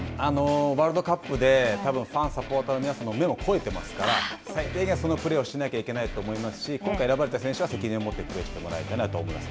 ワールドカップで、たぶんファン、サポーターの目もこえていますから、最低限のそのプレーをしなきゃいけないですし、今回選ばれた選手は責任持ってプレーしてもらいたいと思います。